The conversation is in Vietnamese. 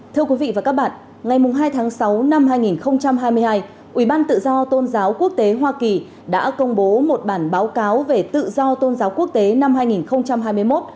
thưa quý vị và các bạn ngày hai tháng sáu năm hai nghìn hai mươi hai ubndqt hoa kỳ đã công bố một bản báo cáo về tự do tôn giáo quốc tế năm hai nghìn hai mươi một